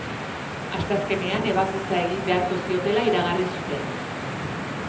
Asteazkenean ebakuntza egin beharko ziotela iragarri zuten.